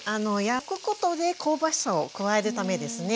焼くことで香ばしさを加えるためですね。